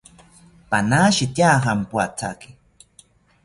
Panashitya jampoathaki